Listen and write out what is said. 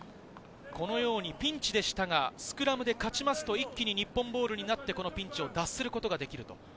このようにピンチでしたが、スクラムで勝ちますと、一気に日本ボールになってピンチを脱することができる。